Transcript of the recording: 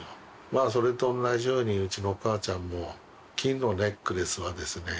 まあそれと同じようにうちのお母ちゃんも金のネックレスはですね